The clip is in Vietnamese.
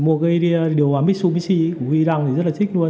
mua cái điều hòa mitsubishi của we đăng thì rất là thích luôn